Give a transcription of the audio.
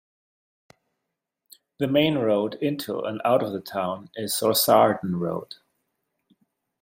The main road into and out of the town is Rossarden Road.